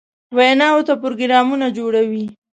ویناوو ته پروګرامونه جوړوي.